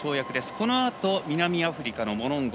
このあと南アフリカのモロンゴ。